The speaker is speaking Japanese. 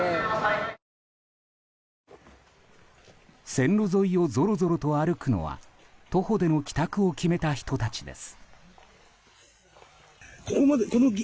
線路沿いをぞろぞろと歩くのは徒歩での帰宅を決めた人たちです。